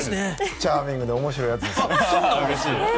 チャーミングで面白いやつです。